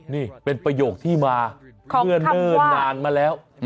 นี่เป็นประโยคที่มาเมื่อเนิ่นนานมาแล้ว